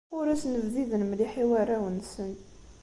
Ur asen-bdiden mliḥ i warraw-nsen.